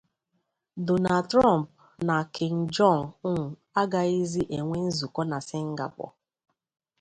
Donald Trump na Kim Jong-un agazịghị enwe nzukọ na Sịngapọ